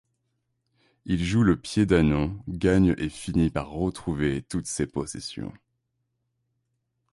Il joue le Pied d'Ânon, gagne et finit par retrouver toutes ses possessions.